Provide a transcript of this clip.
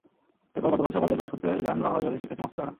এরপর গতকাল সকালে ক্লাস করতে যান বাংলা বিভাগের শিক্ষার্থী মাসুদ রানা।